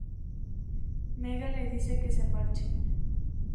Megan les dice que se marchen.